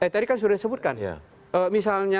tadi kan sudah disebutkan misalnya